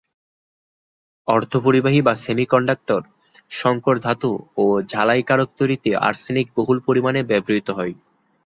অর্ধপরিবাহী বা সেমিকন্ডাক্টর, শংকর ধাতু ও ঝালাইকারক তৈরিতে আর্সেনিক বহুল পরিমাণে ব্যবহূত হয়।